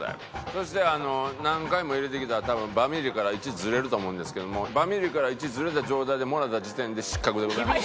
そして何回も入れてきたら多分バミリから位置ずれると思うんですけどもバミリから位置ずれた状態でもらった時点で失格でございます。